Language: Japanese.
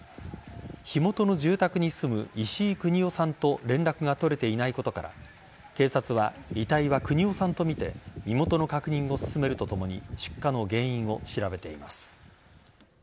火元の住宅に住む石井国男さんと連絡が取れていないことから警察は、遺体は国男さんとみて身元の確認を進めるとともに出火の原因を調べています。